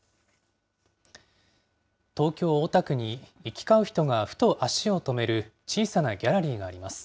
東京・大田区に行き交う人がふと足をとめる小さなギャラリーがあります。